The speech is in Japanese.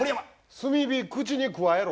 炭火口にくわえろ。